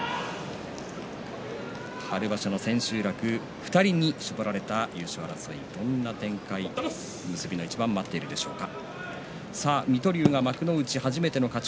春場所の千秋楽２人に絞られた優勝争いどんな展開、結びの一番が待っているでしょうか。